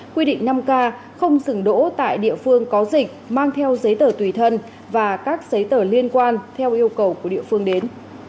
quy định năm k không dừng đỗ tại địa phương có dịch mang theo giấy tờ tùy thân và các giấy tờ liên quan theo yêu cầu của địa phương đến